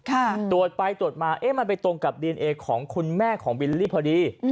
ตรวจไปตรวจมาเอ๊ะมันไปตรงกับดีเอนเอของคุณแม่ของบิลลี่พอดี